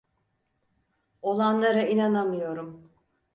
Olanlara inanamıyorum.